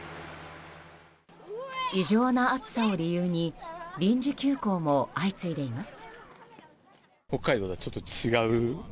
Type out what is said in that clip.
異常な暑さを理由に臨時休校も相次いでいます。